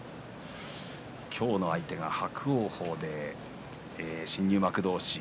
今日の相手が伯桜鵬新入幕同士。